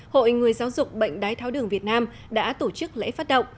hội người giáo dục bệnh đái tháo đường việt nam đã tổ chức lễ phát động